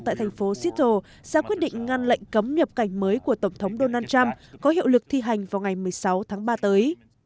tại thành phố sittle ra quyết định ngăn lệnh cấm nhập cảnh mới của tổng thống donald trump có hiệu lực thi hành vào ngày một mươi sáu tháng ba tới